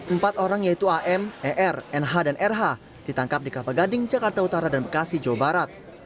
empat orang yaitu am er nh dan rh ditangkap di kelapa gading jakarta utara dan bekasi jawa barat